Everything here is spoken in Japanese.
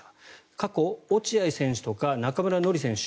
過去、落合選手とか中村紀洋選手。